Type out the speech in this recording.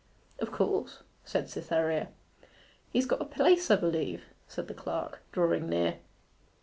'Of course,' said Cytherea. 'He's got a place 'a b'lieve?' said the clerk, drawing near.